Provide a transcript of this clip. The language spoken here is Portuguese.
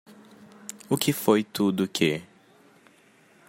O que foi tudo que?